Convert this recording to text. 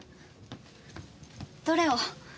どれを？